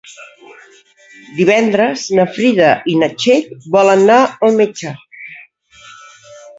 Divendres na Frida i na Txell volen anar al metge.